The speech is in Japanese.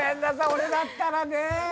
俺だったらね。